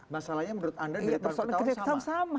masalahnya menurut anda di tahun ke tahun sama